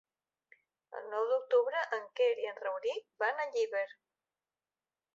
El nou d'octubre en Quer i en Rauric van a Llíber.